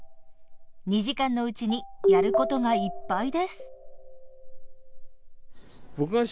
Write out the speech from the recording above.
２時間のうちにやることがいっぱいです。